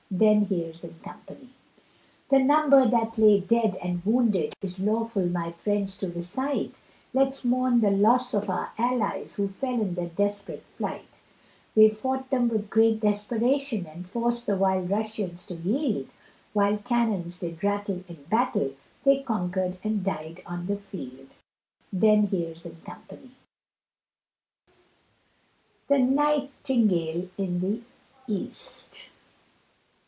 Then here's &c. The number that lay dead and wounded, Is awful my friends to recite, Let's mourn the loss of our allies, Who fell in the desperate fight; They fought them with great desperation, And forced the wild Russians to yield, While cannons did rattle in battle, They conquered and died on the field, Then here's, &c. THE NIGHTINGALE IN THE EAST.